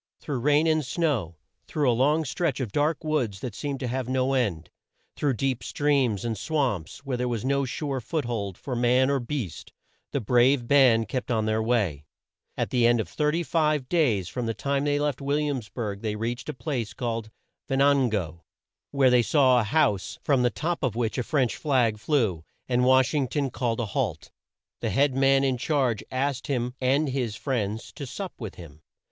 Through rain and snow, through a long stretch of dark woods that seemed to have no end, through deep streams and swamps where there was no sure foot hold for man or beast, the brave band kept on their way. At the end of 35 days from the time they left Will iams burg they reached a place called Ven an go, where they saw a house from the top of which a French flag flew, and Wash ing ton called a halt. The head man in charge asked him and his friends to sup with him.